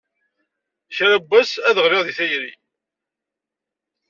Kra n wass, ad ɣliɣ deg tayri.